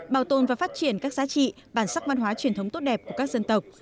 bảo tồn và phát triển các giá trị bản sắc văn hóa truyền thống tốt đẹp của các dân tộc